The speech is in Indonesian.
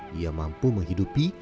dia mampu menghidupi